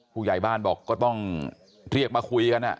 ผู้ใหญ่บ้านบอกก็ต้องเรียกมาคุยกัน